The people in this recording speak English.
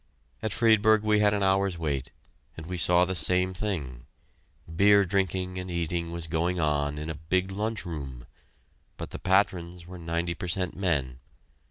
At Friedberg we had an hour's wait, and we saw the same thing. Beer drinking and eating was going on in a big lunch room, but the patrons were ninety per cent men.